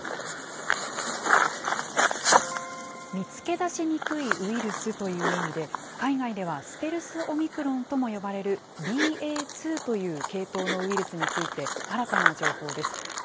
見つけ出しにくいウイルスという意味で、海外ではステルス・オミクロンとも呼ばれるＢＡ．２という系統のウイルスについて、新たな情報です。